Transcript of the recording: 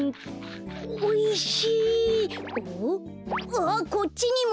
あっこっちにも！